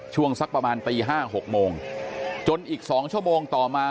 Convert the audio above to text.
ช่วงสักประมาณตี๕๖โมงจนอีก๒ชั่วโมงต่อมา